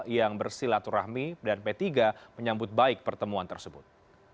yang bersilaturahmi dan p tiga menyambut baik pertemuan tersebut